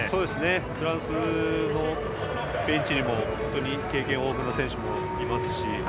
フランスのベンチにも経験豊富な選手もいますし